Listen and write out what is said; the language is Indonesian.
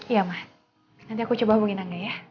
iya mas nanti aku coba hubungin angga ya